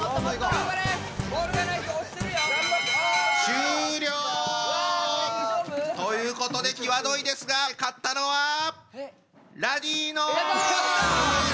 頑張れ！終了！ということで際どいですが勝ったのはラニーノーズ！